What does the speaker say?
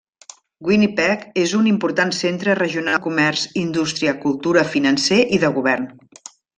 Winnipeg és un important centre regional de comerç, indústria, cultura, financer i de govern.